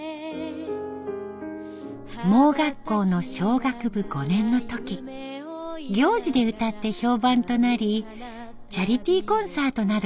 盲学校の小学部５年の時行事で歌って評判となりチャリティーコンサートなどで活躍。